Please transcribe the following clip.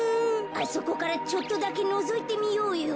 あそこからちょっとだけのぞいてみようよ。